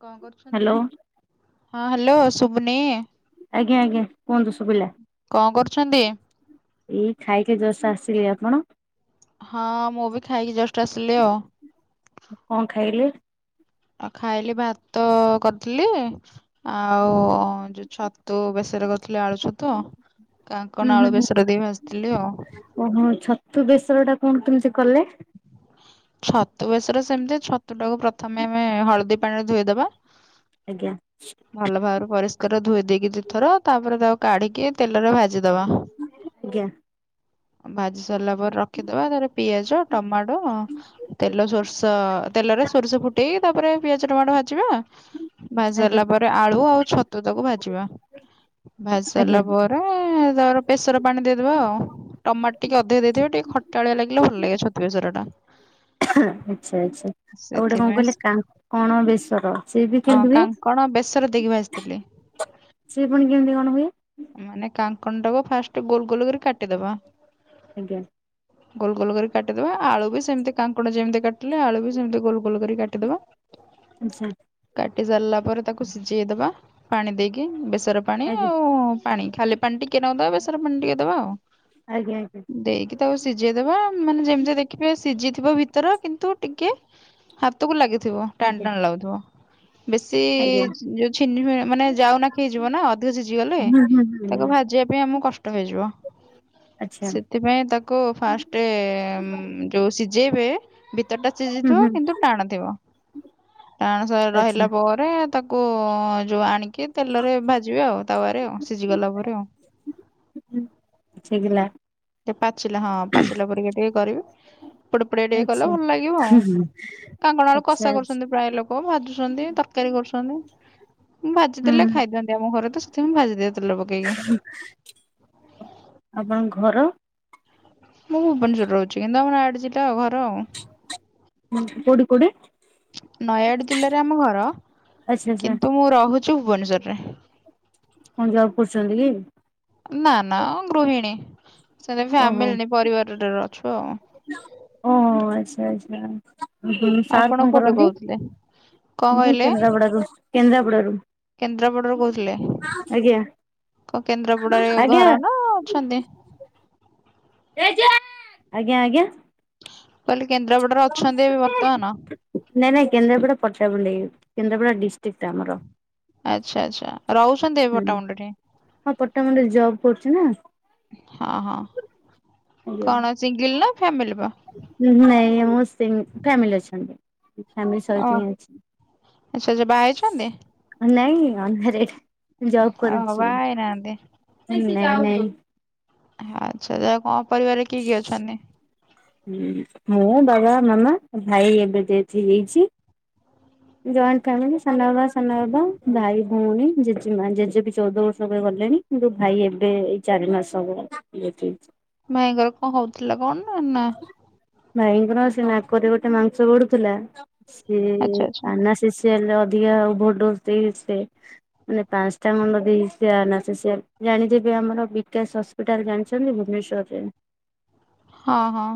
କଣ କରୁଛନ୍ତି? ହ୍ୟାଲୋ ହଁ ହ୍ୟାଲୋ ଶୁବନି? ଆଜ୍ଞା ଆଜ୍ଞା କୁହନ୍ତୁ ଶୁବିଲା। କରୁଛନ୍ତି? ଏଇ ଖାଇକି ଜଷ୍ଟ ଆସିଲି। ଆପଣ? ହଁ ମୁଁ ବି ଖାଇକି ଜଷ୍ଟ ଆସିଲି ଆଉ। କଣ ଖାଇଲେ? ଆ ଖାଇଲି ଭାତ କରିଥିଲି। ଆଉ ଯୋଉ ଛତୁ ବେଶର କରିଥିଲି ଆଳୁ ଛତୁ। ହୁଁ କାଙ୍କଡ ହୁଁ ଆଳୁ ହୁଁ ବେଶର ଦେଇ ଭାଜିଥିଲି ଆଉ। ଓହୋ, ଛତୁ ବେସର ଟା କଣ କେମିତି କଲେ? ଛତୁ ବେସର ସେମିତି। ଛତୁ ଟାକୁ ପ୍ରଥମେ ଆମେ ହଳଦୀ ପାଣିରେ ଧୋଇଦବା। ଆଜ୍ଞା। ଭଲ ଭାବରେ ପରିଷ୍କାର ଧୋଇ ଦେଇକି ଦୁଇଥର ତାପରେ ତାକୁ କାଢିକି ତେଲରେ ଭାଜିଦବା। ଆଜ୍ଞା। ଭାଜି ସାରିଲା ପରେ ରଖିଦବା। ତାପରେ ପିଆଜ ଟମାଟୋ ତେଲ ସୋରିଷ ତେଲରେ ସୋରିଷ ଫୁଟେଇ ତାପରେ ପିଆଜ ଟମାଟୋ ଭାଜିବା। ଭାଜି ଆଜ୍ଞା ସାରିଲା ପରେ ଆଳୁ ଆଉ ଛତୁ ତାକୁ ଭାଜିବା। ଭାଜି ସାରିଲା ଆଜ୍ଞା ପରେ ପରେ ତାପରେ ବେସର ପାଣି ଦେଇଦବା ଆଉ। ଟମାଟୋ ଟିକେ ଅଧିକ ଦେଇଥିବେ ଟିକେ ଖଟାଳିଆ ଲାଗିଲେ ଭଲ ଲାଗିବ ଛତୁ ବେସରଟା। ଆଚ୍ଛା ଆଚ୍ଛା। ଆଉ ଗୋଟେ କଣ ସେଥିପାଇଁ କହିଲେ କାଙ୍କଣ ବେସର ସିଏ ବି ହଁ କେମିତି ହୁଏ? କାଙ୍କଣ ବେସର ଦେଇକି ଭାଜିଥିଲି। ସିଏ ପୁଣି କେମତି କଣ ହୁଏ? ମାନେ କାଙ୍କଣ ଟାକୁ ଫାଷ୍ଟ ଗୋଲ ଗୋଲ କରି କାଟିଦବା। ଆଜ୍ଞା। ଗୋଲ ଗୋଲ କରି କାଟିଦବା ଆଳୁ ବି ସେମିତି କାଙ୍କଣ ଯେମତି କାଟ୍ ନା ଆଳୁ ବି ସେମିତି ଗୋଲ ଗୋଲ କରି କାଟିଦବା। ଆଚ୍ଛା। କାଟି ସାରିଲା ପରେ ତାକୁ ସିଝେଇଦବା ପାଣି ଦେଇକି ବେସର ପାଣି ଆଜ୍ଞା ଆଉ ପାଣି ଖାଲି ପାଣି ଟିକେ ନାକୁ ଦବା ବେସର ପାଣି ଟିକେ ଦବା ଆଉ ଆଜ୍ଞା ଆଜ୍ଞା ଦେଇକି ତାକୁ ସିଝେଇ ଦେବା ମାନେ ଯେମିତି ଦେଖିବେ ସିଝିଥିବ ଭିତର କିନ୍ତୁ ଟିକେ ହାତକୁ ଲାଗିଥିବ ଟାଣ ଆଜ୍ଞା ଟାଣ ଲାଗୁଥିବ ବେଶୀ ଆଜ୍ଞା ଯୋଉ ଛିନି [unintelligible] ମାନେ ଯାଉ ନାଖି ହେଇଯିବ ନା ଅଧିକ ସିଝି ଗଲେ। ହୁଁ ହୁଁ ହୁଁ। ତାକୁ ଭାଜିବା ପାଇଁ ଆମକୁ କଷ୍ଟ ହେଇଯିବ। ଆଚ୍ଛା। ସେଥିପାଇଁ ତାକୁ ଫାଷ୍ଟେ ଉଁ ଯୋଉ ସିଝେଇବେ ଭିତର ଟା ହୁଁ ସିଝିଥିବ ହୁଁ କିନ୍ତୁ ଟାଣଥିବ ଟାଣ ଶ୍ ଆଚ୍ଛା ରହିଲା ପରେ ତାକ କୋ ଯୋଉ ଆଣିକି ତେଲରେ ଭାଜିବେ ଆଉ ତାୱରେ ଆଉ ସିଝି ଗଲା ପରେ ଆଉ ହୁଁ ହୁଁ ହୁଁ [unintelligible] ଟିକେ ପାଚିଲା ହଁ ପାଚିଲା ପରିକା ଟିକେ କରିବେ ପୋଡ଼ ପୋଡ଼ିଆ ଟିକେ କଲେ ଆଚ୍ଛା। ଭଲ ଲାଗିବ ଆଉ। କାଙ୍କଣ ଆଳୁ ଆଚ୍ଛା କଷା ଆଚ୍ଛା କରୁଛନ୍ତି ପ୍ରାଏ ଲୋକ ଭାଜୁଛନ୍ତି ତରକାରୀ କରୁଛନ୍ତି। ଭାଜି ଦେଲେ ହୁଁ ଖାଇଦିଅନ୍ତି ଆମ ଘରେ ତ ସେଥିପାଇଁ ଭାଜିଦିଏ ତେଲ ପକେଇକି। ଆପଣଙ୍କ ଘର? ମୁଁ ଭୁବନେଶ୍ୱର ରହୁଛି କିନ୍ତୁ ଆମର ଆଡ଼ ଯିଟା ଆଉ ଘର ଆଉ। ହୁଁ କୋଉଠି କୋଉଠି? ନୟାଗଡ଼ ଜିଲ୍ଲାରେ ଆମ ଘର ଆଚ୍ଛା ଆଚ୍ଛା କିନ୍ତୁ ମୁଁ ରହୁଛି ଭୁବନେଶ୍ଵରରେ। କଣ ଜବ କରୁଛନ୍ତି କି? ନା ନା ଗୃହିଣୀ ସେଠି ଫ୍ୟାମିଲି ନେଇ ପରିବାରରେ ଅଛୁ ଆଉ। ଓ ଆଚ୍ଛା ଆଚ୍ଛା। ମୁଁ କହିଲି ସାର୍ ଆପଣ କଣ କୋଉଠୁ କରନ୍ତି? କହୁଥିଲେ କଣ ମୁଁ କହିଲେ? କେନ୍ଦ୍ରାପଡାରୁ କେନ୍ଦ୍ରାପଡାରୁୁ କେନ୍ଦ୍ରାପଡାରୁ କହୁଥିଲେ, କଣ କେନ୍ଦ୍ରାପଡାରେ ଆଜ୍ଞା। ଘର ନା ଅଛନ୍ତି? ଆଜ୍ଞା ଆଜ୍ଞା। କହିଲି କେନ୍ଦ୍ରାପଡାରେ ଅଛନ୍ତି ଏବେ ବର୍ତ୍ତମାନ! ନାଇଁ ନାଇଁ କେନ୍ଦାପଡା ପଟ୍ଟାମୁଣ୍ଡେଇ କେନ୍ଦ୍ରାପଡା ଡିଷ୍ଟ୍ରିକ୍ଟଟା ଆମର। ଆଚ୍ଛା ଆଚ୍ଛା ରହୁଛନ୍ତି ଏବେ ହୁଁ। ପଟ୍ଟାମୁଣ୍ଡେଇ ଠେଇଁ? ହଁ ପଟ୍ଟାମୁଣ୍ଡେଇରେ ଜବ୍ କରୁଛି ନା। ହଁ ହଁ। ଆଜ୍ଞା। କଣ ସିଙ୍ଗିଲ ନା ଫ୍ୟାମିଲ ବା? ମୁଁ ଏଇ ଆମ ଶିଙ୍ଗ, ଫାମିଲି ଅଛନ୍ତି ଫ୍ୟାମିଲି ସହିତ ହିଁ ଅଛି। ଆଛା ଆଛା ବାହା ହେଇଛନ୍ତି? ନାଇଁ ଅନମ୍ୟାରେଡ ଜବ ଓହୋ କରୁଛି ବାହା ହେଇନାହାନ୍ତି ଏଇନେ ନାଇଁ ନାଇଁ ହଉ ଆଚ୍ଛା ଯେ କଣ ପରିବାରରେ କିଏ କିଏ ଅଛନ୍ତି? ହୁଁ ମୋ ଡବା ମାମା ଭାଇ ଏବେ ତ ଏଠି ହେଇଚି। ଜଏଣ୍ଟ ଫ୍ୟାମିଲି ସାନବାବା, ସାନ ବାବା, ଭାଇ, ଭଉଣୀ, ଜେଜେମା ଜେଜେ ବି ଚଉଦ ବର୍ଷ ହେବେ ଗଲେଣି କିନ୍ତୁ ଭାଇ ଏବେ ଏଇ ଚାରି ମାସ ହବ ରହିଚି [unintelligible] ଭାଇଙ୍କର କଣ ହଉଥିଲା କଣ ଟା ନା? ଭାଇଙ୍କର ସେ ନାକରେ ଗୋଟେ ମାଂସ ବଢ଼ୁଥିଲା ସେ ଆଚ୍ଛା ଆଚ୍ଛା ନା ସି ସି ଏଲରେ ଅଧିକା ଓଭର ଡୋଜ୍ ଦେଇକି ସେ ମାନେ ପାଞ୍ଚଟା ଖଣ୍ଡ ଦେଇ ସେ ଅନେସଥେସିଆ ଜାଣିଥିବେ ଆମର ବିକାଶ ହସ୍ ପିଟାଲ ଜାଣିଛନ୍ତି ଭୁବନେଶ୍ଵରରେ? ହଁ ହଁ।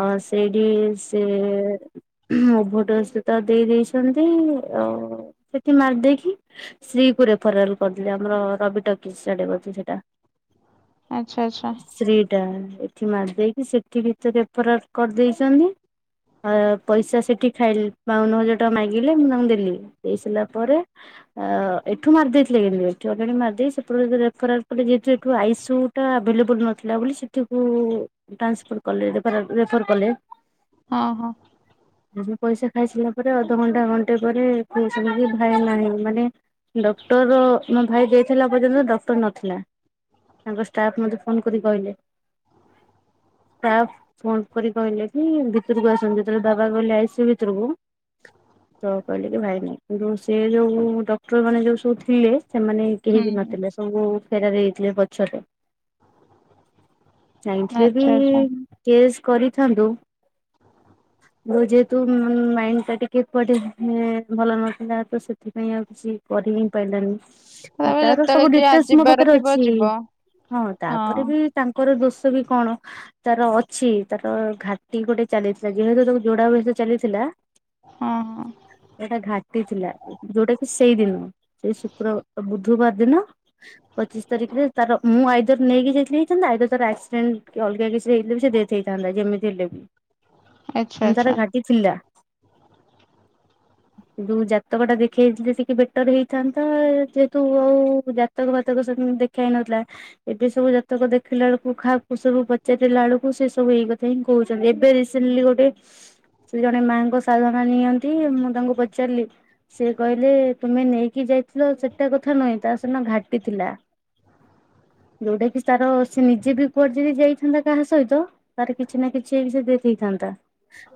ହଁ ସେଇଠି ସେ [unintelligible] ସେ ତ ଦେଇ ଦେଇଛନ୍ତି ଅ ସେଠି ମାରିଦେଇକି ସ୍ତ୍ରୀ କୁ ରେଫରାଲ କରିଦଲେ ଆମର ରବି ଟକିସ୍ଡଛି ସେଇଟା ଆଚ୍ଛା ଆଚ୍ଛା ଶ୍ରୀ ଟା ଏଠି ମାରିଦେଇକି ସେଠି ଭିତରେରେ ଫର କରିଦେଇଛନ୍ତି। ପଇସା ସେଠି ଖାଇଲେ ବାଉନ ହଜାର ଟଙ୍କା ମାଗିଲେ ମୁଁ ତାଙ୍କୁ ଦେଲି ଦେଇ ସାରିଲା ପରେ? ତ ଏଠୁ ମାରି ଦେଇେଇଥିଲେ କିନ୍ତୁ ଏଠୁ ଅଲରେଡି ମାରିଦେ ସେପ ସେପଟୁ ରେଫରେନ୍ସ [unintelligible] ଇ ସି ଉ ଭଲେବଲ ନଥିଲା ବୋଲି ସେଠିକୁ ଟ୍ରାନ୍ସଫର କଲେଣି ରେଫରେନ୍ସ ହଁ ହଁ। ଏବେ ପଇସା ଖାଇସିଲା ପରେ ଅଧଘଣ୍ଟା ଘଣ୍ଟେ ପରେ ଖସ କି ଭା ନାହିଁ ମାନେ ଡକ୍ଟର ମୋ ଭାଇ ଯାଇଥିଲା ପର୍ଯ୍ୟନ୍ତ ଡକ୍ଟର ନଥିଲା। ତାଙ୍କ ଷ୍ଟାଫ୍ ମତେ ଫୋନ କରି କହିଲେ। ତା ଫୋନ କରି କହିଲେ କି ଭିତରକୁ ଆସନ୍ତି ଯେତେବେଳେ ବାବା କହିଲେ ଆଇସି ଭିତରକୁ ଭିତରକୁ ତ କହିଲେ କି ଭାଇ ନାହିଁ କିନ୍ତୁ ସେ ଯୋଉ ଡକ୍ଟର ମାନେ ଯୋଉ ସବୁ ଥିଲେ ସେମାନେ କେହି ହୁଁ ବି ହୁଁ ନଥିଲେ ସବୁ ଫେରାରେ ହେଇଥିଲେ ପଛରେ ଯାଇଁଥିଲେ ବି ଆଚ୍ଛା ଆଚ୍ଛା କେସ୍ କରିଥାନ୍ତୁ ଯେହେତୁ ମାଇଣ୍ଡଟା ଟିକିଏ କୁଆଡ଼େ ଭଲ ନଥିଲା ତ ସେଥିପାଇଁ ଆଉ କିଛି କରି ହିଁ ପାରିଲାନି। ତାପରେ ତାର ଯେତେବେଳେ ସବୁ ଯିଏ ଡିଟେଲସ ମୋ ଯିବାର ପାଖରେ ଥିବ ଅଛି ଯିବ ହଁ ତାପରେ ବି ତାଙ୍କର ଦୋଷ ବି କଣ? ତାର ଅଛି ତାର ଘାଟି ଗୋଟେ ଚାଲିଥିଲା ଯେହେତୁ ତାକୁ ଯୋଡା ବୟସ ଚାଲିଥିଲା ହଁ ହଁ ସେଟା ଘାଟି ଥିଲା ଯୋଉଟା କି ସେଇ ଦିନ ସେଇ ଶୁକ୍ରାର ବୁଧବାର ଦିନ ପଚିଶ ତାରିଖରେ ତାର ମୁଁ ଆଇଦର ନେଇକି ଯାଇଥିଲିଇଛନ୍ତି ଆଇଦର ତାର ଆକ୍ସିଡେଣ୍ଟ କି ଅଲଗା କିଛି ହେଇ ସେ ହେଇଥାନ୍ତା ଯେମିତି ହେଲେ ବି ଆଚ୍ଛା ଏମି ଆଚ୍ଛା ତାର ଘାଟି ଥିଲା। ଯୋଉ ଜାତକ ଟା ଦେଖେଇଥିଲେ ସେ କି ବେଟର ହେଇଥାନ୍ତା ଯେହେତୁ ଆଉ ଜାତକ ଫାତକ ସେ ଦେଖା ହେଇ ନଥିଲା ଏବେ ସବୁ ଜାତକ ଦେଖିଲା ବେଳକୁ ଖାକୁୁ ସବୁ ପଚାରିଲା ବେଳକୁ ସେ ସବୁ ହେଇ କଥା ହେଇଁ କହୁଛନ୍ତି ଏବେ ରିସେଣ୍ଟଲି ଗୋଟେ ସେ ଜଣେ ମାଙ୍କ ସାଧନା ନିଅନ୍ତି ମୁଁ ତାଙ୍କୁ ପଚାରିଲି ସେ କହିଲେ ତୁମେ ନେଇକି ଯାଇଥିଲ ସେଟା କଥା ନୁହେଁ ତା ସିନା ଘାଟି ଥିଲା ଯୋଉଟା କି ତାର ସେ ନିଜେ ବି କୁଆଡେ ଯଦି ଯାଇଥାନ୍ତା କାହା ସହିତ ତାର କିଛି ନା କିଛି ସେ ଦେଇ ଦେଇଥାନ୍ତା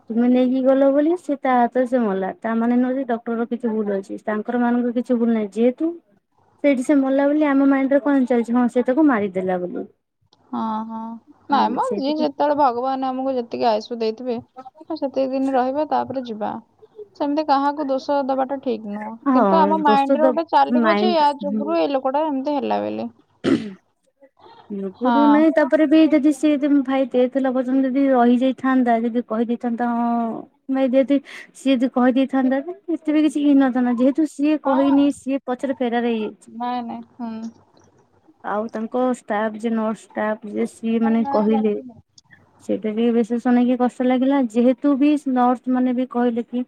ତୁମେ ନେଇକି ଗଲ ବୋଲି ସେ ତା ହାତରେ ସେ ମଲା ତା ମାନେ ନୁହେଁ ଡକ୍ଟର କିଛି ଭୁଲ ଅଛି। ତାଙ୍କର ମାନଙ୍କର କିଛି ଭୁଲ ନାହିଁ ଯେହେତୁ ସେଇଠି ସେ ମଲା ବୋଲି ଆମ ମାଇଣ୍ଡରେ କଣ ଚାଲିଛି କଣ ସେ ତାକୁ ମାରିଦେଲା ବୋଲି ହଁ ହଁ ହୁଁ ନାଇଁ ମ ଯିଏ ସେଇଥିପାଇଁ ଯେତେବେଳେ ଭଗବାନ ଆମକୁ ଯେତିକି ଆ ଦେଇଥିବେ ସେତିକି ଦିନ ରହିବା ତାପରେ ଯିବା ସେମିତି କାହାକୁ ଦୋଷ ଦବାଟା ଠିକ ନୁହଁ କିନ୍ତୁ ହଁ ଆମ ଦୋଷ ମାଇଣ୍ଡ ତ ରେ ଗୋଟେ ଚାଲିବ ଯେ ମାଇଣ୍ଡ ୟା ଯୁଗୁରୁ ଏଇ ଲୋକଟା ଏମିତି ହେଲା ବୋଲି ହଁ। ଭପରୁ ନାଇଁ ତା ତାପରେ ବି ଯଦି ସିଏ ଯ ଭାଇ ଡେଥ ଏଥିଲା ପର୍ଯ୍ୟନ୍ତ ଯଦି ରହିଯାଇଥାନ୍ତା ଯଦି କହିଦେଇଥାନ୍ତା ହଁ ଭାଇ ଯେହତି ସିଏ ଯଦି କହିଦେଇଥାନ୍ତା ଏତେ ବି କିଛି ଇନଥାନ୍ତା ଯେହେତୁ କି ସିଏ ହଁ। କହିନି ସିଏ ପଛରେ ଫେରାରେ ହେଇଯାଇଛି ନାଇଁ ନାଇଁ ହୁଁ ଆଉ ତାଙ୍କ ଷ୍ଟାଫ ଯେ ନର୍ସ ଯ ସିଏ ଆରେ ମାନେ ନାଇଁ କହିଲେ ଡାକିନି ସେ ଟାବି ବେଶୀ ଶୁଣିକି କଷ୍ଟ ଲାଗିଲା ଯେହେତୁ ବି ନର୍ସ ମାନେ ବି କହିଲେ କି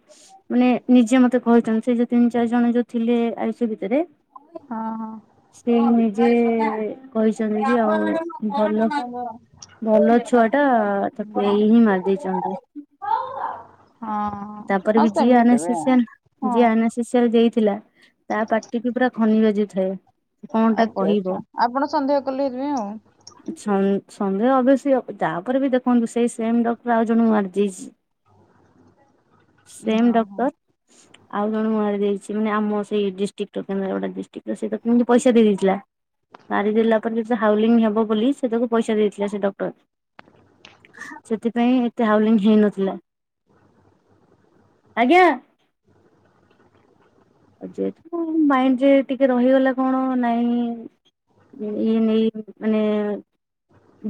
ମାନେ ନିଜେ ମତେ କହିଛନ୍ତି ସେ ଯୋଉ ତିନି ଚାରି ଜଣ ଯୋଉ ଥିଲେ ଆୟୁଷ ଭିତରେ ହଁ ହଁ ସେ ନିଜେ କହିଛନ୍ତି ଯେ ଆଉ ଭଲ ପନ୍ଦର। ଭଲ ଛୁଆ ଟା ତାକୁ ହୁଁ, ଏଇ ହିଁ ମାରି ଦେଇଛନ୍ତି। ହଁ। ତାପରେ ହଁ ବି ଯିଏ ସେମିତି ବି ଆଉ ଆନସ୍ଥେସିଆ ହଁ ଯିଏ ଆନାସ୍ଥେସିଆ ଦେଇଥିଲା ତା ପାଟି ବି ପୁରା ଖନିି ବାଜୁ ଥାଏ। ଆଚ୍ଛା ଆଚ୍ଛା ଆପଣ ସନ୍ଦେହ କଲେ ସେଇଥିପାଇଁ ଆଉ? ସନ୍ଦେହ ଅବିଓସ୍ଲି ହବ ତାପରେ ବି ଦେଖନ୍ତୁ ସେଇ ସେମ ଡକ୍ଟର ଆଉ ଜଣଙ୍କୁ ମାରିଦେଇଛି। ସେମ୍ ହଁ ହଁ। ଡକ୍ଟର ଆଉ ଜଣଙ୍କୁ ମାରି ଦେଇଛି ମାନେ ଆମ ସେଇ ଡିଷ୍ଟ୍ରିକ୍ଟ କେନ୍ଦ୍ରାପଡ଼ା ଡିଷ୍ଟ୍ରଟର ସେ ତାକୁ ଏମିତି ପଇସା ଦେଇଥିଲା ମାରିଦେଲା ପରେ ଯେତେବେଳେ ହାଉଲିଙ୍ଗ ହେବ ବୋଲି ସେ ତାକୁ ପଇସା ଦେଇଥିଲା ସେ ଡକ୍ଟର। ସେଥିପାଇଁ ଏତେ ହାଉଲିଙ୍ଗ ହେଇନଥିଲା। ଆଜ୍ଞା? ଯେହେତୁ ମାଇଣ୍ଡ୍ ରେ ଟିକେ ରହିଗଲା କଣ ନାଇଁ ଏଇ ନେଇ ମାନେ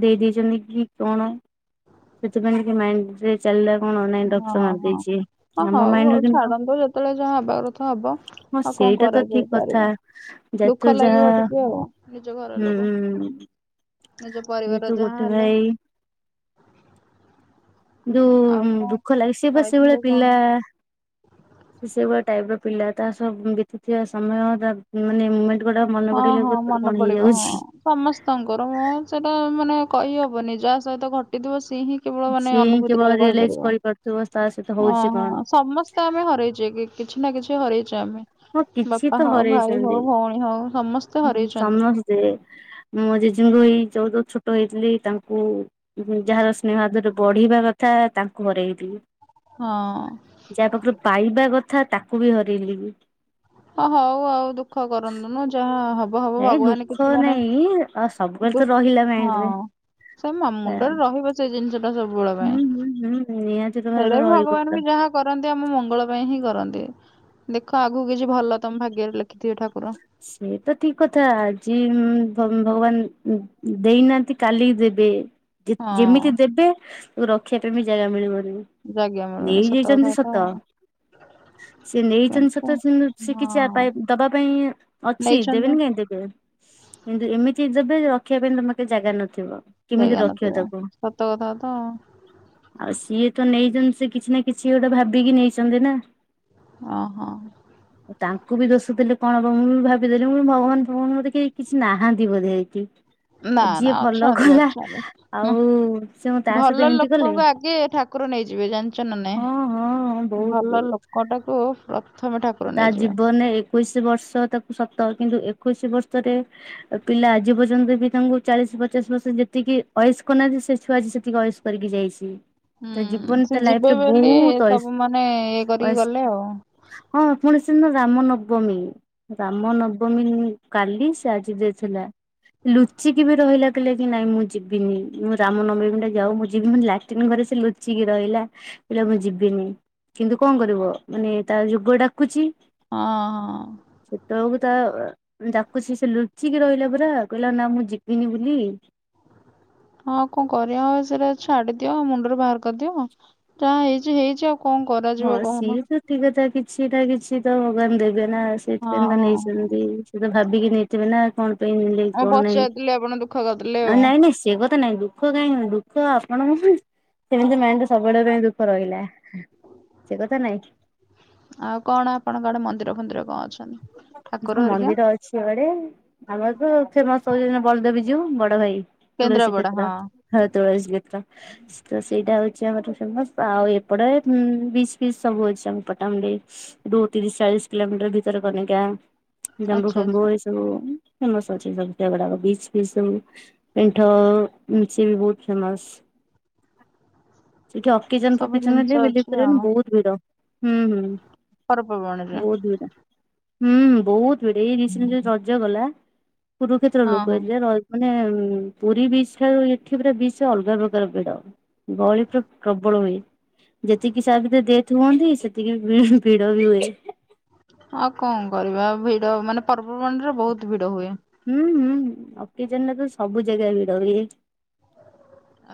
ଦେଇ ଦେଇଛନ୍ତି କି କଣ ସେଥିପାଇଁ ଟିକେ ମାଇଣ୍ଡ୍ ରେ ଚାଲିଲା କଣ ନାଇଁ ଡ ଓହୋଃ ହଁ ହଁ ଓ ହଉ ହଉ ଛାଡ଼ନ୍ତୁ ଯେତେବେଳେ ଯାହା ହେବା କଥା ହବ। ହଁ ଆଉ କଣ ସେଇଟା ତ ଠିକ କରାଯାଇ କଥା ପାରିବ ଯେହେତୁ ଦୁଃଖ ଲାଗିବ ଯାହା ଟିକେ ଆଉ ନିଜ ଘର ଲୋକ। ହୁଁ ନିଜ ପରିବାର ର ଯେହେତୁ ଯାହା ଗୋଟେ ହେଲେ। ଭାଇ କିନ୍ତୁ ଆଉ କଣ ଦୁଃଖ ଲାଗେ ସିଏ ବା ସେଇ ଭଳିଆ ଖାଇଥିଲେ କଣ ପିଲା ସିଏ ସେଇ ଭଳିଆ ଟାଇପ୍ ର ପିଲା ତା ସହ ବିତିଥିବା ସମୟ ମାନେ ସେଗୁଡ଼ାକ ମନେ ହଁ ପଡିଲା ହଁ କୁ ଏପଟେ ମନେ କଣ ପଡିବ ହଁ ହେଇଯାଉଛି। ସମସ୍ତଙ୍କର ହଁ ସେଇଟା ମାନେ କହି ହବନି ଯାହା ସହିତ ଘଟିଥିବ ସିଏ ହିଁ କେବଳ ମାନେ ସିଏ ହିଁ ଅନୁଭୂତିରେ କେବଳ ରିଏଲାଇଜ କହିପାରିବ କରିପାରୁଥିବ ତା ସହିତ ହଉଛି କଣ। ଓହୋଃ ସମସ୍ତେ ତ ଆମେ ହରଇଛେ କି କିଛି ନା କିଛି ହରଇଛେ ଆମେ ହଁ ବାପା ହଉ ଭାଇ ହଉ ଭଉଣୀ ହଉ ସମସ୍ତେ ହୁଁ ହରେଇଛନ୍ତି ସମସ୍ତେ ସେ ମୋ ଜେଜେଙ୍କୁ ବି ଯୋଉ ଛୋଟ ହେଇଥିଲି ତାଙ୍କୁ ଯାହାର ସ୍ନେହ ଆଦରରେ ବଢ଼ିବା କଥା ତାଙ୍କୁ ହରୋଇଲି। ହଁ। ଯାହା ପାଖରୁ ପାଇବା କଥା ତାକୁ ବି ହରେଇଲି। ହ ହଉ ଆଉ ଦୁଃଖ କରନ୍ତୁନୁ ଯାହା ହବ ସବୁ ଏ ଭଗବାନ ଦୁଃଖ କିଛି ମାନେ ନାଇଁ ଆଉ ସବୁବେଳେ ହଁ। ତ ରହିଲା ମାଇଣ୍ଡ ସେ ମ ରେ। ମୁଣ୍ଡରେ ରହିବ ସେ ଜିନିଷ ଟା ସବୁବେଳ ପାଇଁ ହୁଁ ହୁଁ ହୁଁ ନିହାତି ତ ସେଇଟା ଭାବେ ବି ରହିବ ଭଗବାନ ପୁରା। ବି ଯାହା କରନ୍ତି ଆମ ମଙ୍ଗଳ ପାଇଁ ହିଁ କରନ୍ତି ଦେଖ ଆଗକୁ କିଛି ଭଲ ତମ ଭାଗ୍ୟରେ ଲେଖିଥିବେ ଠାକୁର। ସେ ତ ଠିକ କଥା ଆଜି ଭଗବାନ ଦେଇନାହାନ୍ତି କାଲିକି ଦେବେ। ଯେମିତି ହଁ। ଦେବେ ରଖିବା ପାଇଁ ବି ଜାଗା ମିଳିବନି। ଜାଗା ମିଳୁନି ନେଇ ସତ କଥା ଯାଇଛନ୍ତି ତ ସତ ସେ ନେଇଛନ୍ତି କିନ୍ତୁ ସତ ସେ କିଛି ହଁ ଦବା ପାଇଁ ଅଛି ନେଇଛନ୍ତି ଦେବେନି କାହିଁକି? ଦେବେ କିନ୍ତୁ ଏମିତି ଦେବେ ରଖିବା ପାଇଁ ତମ ପାଖରେ ଜାଗା ନଥିବ। କେମିତି ଜାଗା ରଖିବ ନଥିବ ତାକୁ। ସତ କଥା ତ ଆଉ। ଆଉ ସିଏ ତ ନେଇଛନ୍ତି ସେ କିଛି ନା କିଛି ଗୋଟେ ଭାବିକି ନେଇଛନ୍ତି ନା? ହଁ ହଁ। ତାଙ୍କୁ ବି ଦୋଷ ଦେଲେ କଣ ହବ ମୁଁ ବି ଭାବିଦେଲି ମୁଁ ଭଗବାନ ଭଗବାନ ମତେ କେହି କିଛି ନାହାନ୍ତି ବୋଧେ ଏଇଠି। ନା ନା ଯିଏ ଭଲ ଅଛନ୍ତି ଗଲା ଅଛନ୍ତି। ହୁଁ, ଆଉ ସେ ମୁଁ ତା ଭଲ ସହିତ ଏମିତି କଲେ? ଲୋକଙ୍କୁ ଆଗେ ଠାକୁର ନେଇଯିବେ ଜାଣିଛ ନା ନାଇଁ ହଁ ହଁ ହଁ ବହୁତ ଭଲ ବହୁତ ଲୋକ ଟାକୁ ତା ଜୀବନରେ ଏକୋଇଶି ବର୍ଷ ତାକୁ ସତ କିନ୍ତୁ ଏକୋଇଶି ବର୍ଷରେ ପିଲା ଆଜି ପର୍ଯ୍ୟନ୍ତ ବି ତାଙ୍କୁ ଚାଳିଶ ପଚାଶ ବର୍ଷ ଯେତିକି ଅଏସ୍ କରି ନାହାନ୍ତି ସେ ଛୁଆ ଆଜି ସେତିକି ଅଏସ୍ କରିକି ଯାଇଛି ତା ହୁଁ ଜୀବନ ସେ ତା ଲାଇଫ ଯିବେ ରେ ବୋଲି ବହୁତ ସବୁ ମାନେ ଇଏ କରିକି ଅୟେସ୍ ଗଲେ ଆଉ। ହଁ ପୁଣି ସେ ଦିନ ରାମ ନବମୀ ରାମ ନବମୀ କାଲି ସେ ଆଜି ଡେଥ୍ ହେଲା। ଲୁଚିକି ବି ରହିଲା କହିଲା କି ନାଇ ମୁଁ ଯିବିନି। ମୁଁ ରାମନବମୀ ଟା ଯାଉ ମୁଁ ଯିବି। ମୁଁ କହିନି ଲାଟିନ୍ ଘରେ ସେ ଲୋ ଚିକି ରହିଲା କହିଲା ମୁଁ ଯିବିନି। କିନ୍ତୁ କଣ କରିବ ମାନେ ତା ଯୋ ଗ ଡାକୁଛି। ହଁ, ହଁ। ସେତେବେଳକୁ ତା ଆ ଡାକୁୁସି, ସେ ଲୁଚିକି ରହିଲା ପରା କହିଲା ନା ମୁଁ ଯିବିନି ବୁଲି। ହଁ କଣ କରିବା ଆଉ ସେଇଟା ଛାଡି ଦିଅ। ଆଉ ମୁଣ୍ଡରୁ ବାହାର କରିଦିଅ। ଯାହା ହେଇଚି ହେଇଚି ଆଉ କଣ କରାଯିବ ହଁ କହୁନ ସିଏ ତ ଠିକ କଥା କିଛି ନା କିଛି ତ ଭଗବାନ ଦେବେ ନା ହଁ ସେଇଥିପାଇଁ ତ ହଁ ହଁ। ନେଇଛନ୍ତି। ଉଁ, ସେ ତ ଭାବିକି ନେଇଥିବେ ନା କଣ [unintelligible] କଣ ମୁଁ ନାଇଁ ଆଉ ପଚାରିଥିଲି ଆପଣ ଦୁଃଖ କରିଦେଲେ ଆଉ ନାଇଁ ନାଇଁ ସେ କଥା ନାଇଁ। ଦୁ ଖ କାହିଁକି ନା ଦୁଃଖ ଆପଣଙ୍କୁ ନା ସେମିତି ନାଇ ଯେ ସବୁବେଳେ ପାଇଁ ଦୁଃଖ ରହିଲା। ସେ କଥା ନାଇଁ। ଆଉ କଣ ଆପଣକ ଆଡେ ମନ୍ଦିର ଫନ୍ଦିର କଣ ଅଛି? ହଁ ମନ୍ଦିର ସିଆଡେ ଆମର ତ ଫେମସ୍ ହଉଛନ୍ତି ବଳଦେବଜୀଉ ବଡ ଭାଇ। ତୁଳସୀ କେନ୍ଦ୍ରାପଡା କ୍ଷେତ୍ର, ହଁ ହଁ ତୁଳସୀ କ୍ଷେତ୍ର। ତ ସେଇଟା ହଉଛି ଆମର ଫେମସ୍। ଆଉ ଏପଟେ ଉଁ, ବିଚ୍ ଫିଚ୍ ସବୁ ଅଛି ଆମ ପଟାମୁଣ୍ଡେଇ। ଦୁ-ତିରିଶ ଚାଳିଶ କିଲୋମିଟର ଭିତରକନିକା, ଜମ୍ବୁ ଆଚ୍ଛା ଫମ୍ବୁ ଆଚ୍ଛା। ଏ ସ ବୁ ଫେମସ୍ ଅଛି ସବୁ ସେ ଗୁଡାକ। ବିଚ୍ ଫିଚ୍ ସବୁ ପିଣ୍ଠ ମିଛିନ୍ ବହୁତ ଫେମସ୍। ସେଇଠି ଅ କିଚନ୍ ଫ ସବୁ କିଚନ୍ ଜିନିଷ ଯେ ବିଲିଫ୍ ଅଛି କରିବନି ଆଉ ବହୁତ ଭିଡ। ହୁଁ, ହୁଁ, ପର୍ବପର୍ବାଣିରେ ବହୁତ ଭିଡ। ହୁଁ, ହୁଁ, ବହୁତ ଭିଡ। ଏଇ ରିସନିଲି ରଜ ଗଲା କୁରୁକ୍ଷେତ୍ର ହଁ ଲୋକ ହଁ। ହେଇଥିଲେ। ଏ ର ମାନେ ଉଁ, ପୁରୀ ବିଚ୍ ଠାରୁ ଏଠି ପୁରା ବିଚ୍ ରେ ଅଲଗା ପ୍ରକାର ଭିଡ। ଗହଳି ତ ପ୍ରବଳ ହୁଏ। ଯେତିକି ସା ଭିତରେ ଡେଥ୍ ହୁଅନ୍ତି, ସେତିକି ବି ଭିଡ ହୁଏ। ଆଉ କଣ କରିବା ଆଉ ଭିଡ ମାନେ ପର୍ବବାଣିରେ ବହୁତ ଭିଡ ହୁଏ। ହୁଁ, ହୁଁ, ଅକେଜନ୍ ରେ ତ ସବୁ ଜାଗା ଭିଡ ହୁଏ।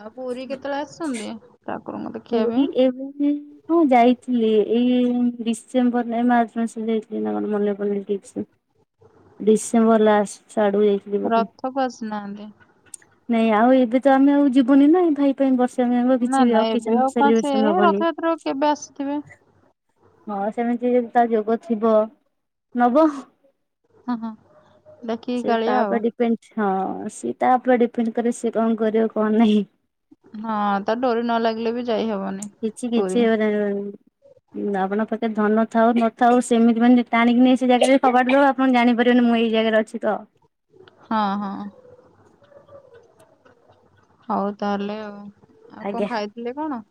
ଆଉ ପୁରୀ କେତେବେଳେ ଆସନ୍ତି ଠାକୁରଙ୍କୁ ଦେ ପୁରୀ ଏବେ ନା ହଁ ଯାଇଥିଲି ଏଇ ଡିସେମ୍ବର ନା ଏ ମାର୍ଚ୍ଚ ମାସ ଯାଇଥିଲି ନା କଣ ମନେ ପଡୁନି ଠିକ୍ ସେ। ଡିସେମ୍ବର ଲାଷ୍ଟ ଆଡୁ ଯାଇ ରଥକୁ ଆସିନାହାନ୍ତି? ନାଇଁ ଆଉ ଏବେ ତ ଆମେ ଆଉ ଯିବୁନି ନା, ଭାଇ ପାଇଁ ବର୍ଷେ ଯାଙ୍କ ନା କିଛି ବି ନା ଏବେ ଅକେଜନ୍ ଆଉ କଣ ସେ ସେଲିବ୍ରେସନ୍ ହବନି। ରଥଯାତ୍ରାକୁ କେବେ ଆସିଥିବେ ହଁ ସେମିତି ତା ଯୋଗ ଥିବ ନବ। ହଁ, ହଁ। ଦେଖିକି ସେ କାଳିଆ ତା ଆଉ ଉପରେ ଡିପେଣ୍ଡ, ହଁ ସିଏ ତା ଉପରେ ଡିପେଣ୍ଡ କରେ ସିଏ କଣ କରିବ କଣ ନାହିଁ। ହଁ ତା ଡୋରି ନ ଲାଗିଲେ ବି ଯାଇ ହବନି ପୁରୀ। ଯାଇ ହବନି। ଉଁ, ଆପଣ ପାଖେ ଧନ ଥାଉ ନଥାଉ ସେମିତି ମାନେ ଟାଣିକି ନେଇ ସେ ଜାଗାରେ ଫୋପାଡି ଦବ ଆପଣ ଜାଣିପାରିବେନି ମୁଁ ଏଇ ଜାଗାରେ ଅଛି ତ। ହଁ, ହଁ। ହଉ ତାହେଲେ ଆଉ, ଆଉ ଆଜ୍ଞା। କଣ ଖାଇଥିଲେ କଣ?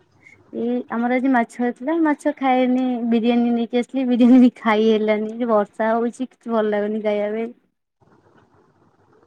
ଏଇ ଆମର ଆଜି ମାଛ ହେଇଥିଲା। ମାଛ ଖାଏନି, ବିରିୟାନୀ ନେଇକି ଆସିଲି ବିରିୟାନୀ ଖାଇ ହେଲାନି। ଯେ ବର୍ଷା ହଉଛି କିଛି ଭଲ ଲାଗୁନି ଖାଇବା ପାଇଁ।